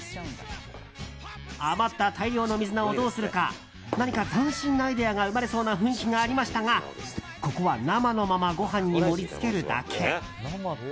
余った大量の水菜をどうするか何か斬新なアイデアが生まれそうな雰囲気がありましたがここは生のままご飯に盛り付けるだけ。